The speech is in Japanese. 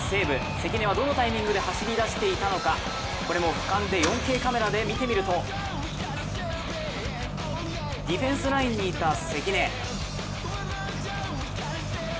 関根はどのタイミングで走り出していたのかこれも俯瞰で４ＫＣＡＭで見てみるとディフェンスラインにいた関根。